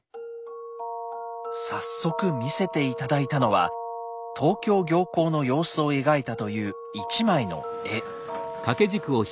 早速見せて頂いたのは東京行幸の様子を描いたという一枚の絵。